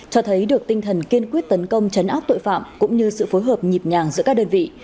cho thấy được tinh thần kiên quyết tấn công chấn áp tội phạm cũng như sự phối hợp nhịp nhàng giữa các đơn vị